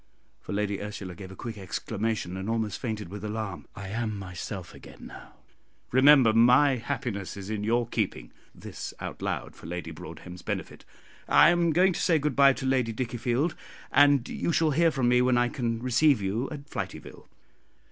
for Lady Ursula gave a quick exclamation, and almost fainted with alarm; "I am myself again now. Remember my happiness is in your keeping" this out loud for Lady Broadhem's benefit. "I am going to say good bye to Lady Dickiefield, and you shall hear from me when I can receive you at Flityville."